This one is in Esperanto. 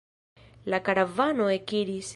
La karavano ekiris.